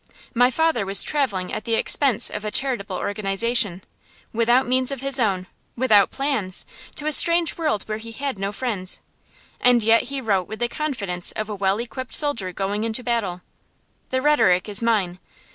My father was travelling at the expense of a charitable organization, without means of his own, without plans, to a strange world where he had no friends; and yet he wrote with the confidence of a well equipped soldier going into battle. The rhetoric is mine.